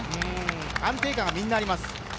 安定感がみんなあります。